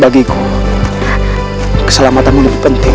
bagiku keselamatanmu lebih penting